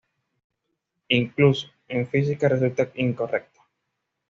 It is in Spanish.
Incluso, en física resulta incorrecto.